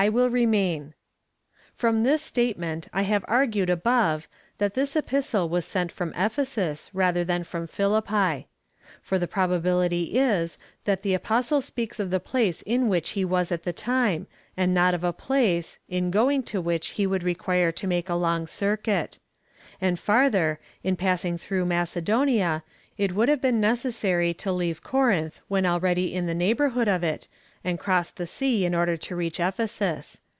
/ will remain. From this statement I have argued above,^ that this epistle was sent from Ephesus, rather than from Philippi. For the probability is, that the Apostle speaks of the place in which he was at the time, and not of a place, in going to which he would require to make a long circuit ; and farther, in passing through Macedonia,^ it would have been necessaiy to leave Corinth when already in the neighbourhood of it, and cross the sea in order to reach Ephesus.